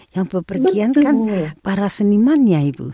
yang pepergian kan para senimannya ibu